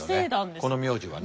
この名字はね。